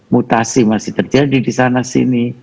mutasi masih terjadi disana sini